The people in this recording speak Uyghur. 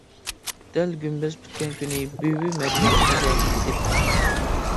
دەل گۈمبەز پۈتكەن كۈنى بۈۋى مەريەم قازا تېپىپتۇ.